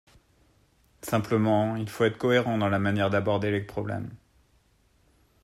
Simplement, il faut être cohérent dans la manière d’aborder les problèmes.